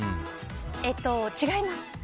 えっと、違います。